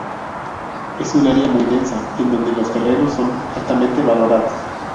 Es un área muy densa, en donde los terrenos son altamente valorados.